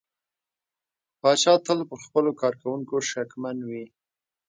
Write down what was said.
پاچا تل پر خپلو کارکوونکو شکمن وي .